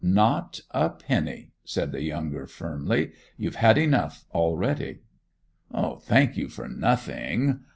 'Not a penny,' said the younger firmly. 'You've had enough already.' 'Thank you for nothing.